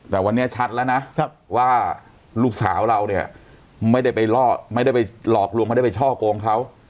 แต่วันนี้ชัดแล้วนะว่าลูกสาวเราเนี่ยไม่ได้ไปลอดไม่ได้ไปหลอกลวงไม่ได้ไปช่อกงเขา